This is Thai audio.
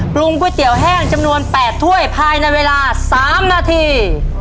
ปรุงก๋วยเตี๋ยวแห้งจำนวน๘ถ้วยภายในเวลา๓นาที